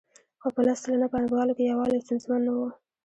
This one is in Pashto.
خو په لس سلنه پانګوالو کې یووالی ستونزمن نه وو